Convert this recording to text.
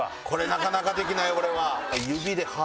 なかなかできない俺は。